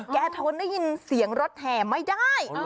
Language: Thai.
ทนได้ยินเสียงรถแห่ไม่ได้